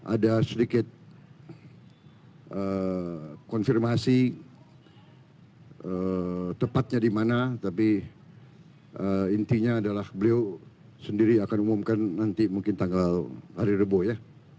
ada sedikit konfirmasi tepatnya di mana tapi intinya adalah beliau sendiri akan umumkan nanti mungkin tanggal hari rebo ya